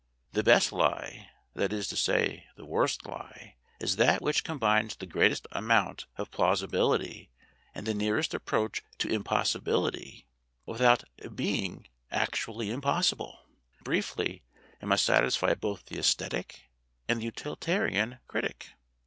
The best lie that is to say, the worst lie is that which combines the greatest amount of plausibility and the nearest approach to impossibility without being actu 56 STORIES WITHOUT TEARS ally impossible. Briefly, it must satisfy both the aesthetic and the utilitarian critic.